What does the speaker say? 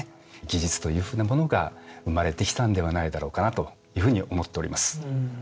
技術というふうなものが生まれてきたんではないだろうかなというふうに思っております。